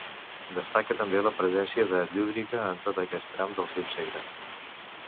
Destaca també la presència de llúdriga en tot aquest tram del riu Segre.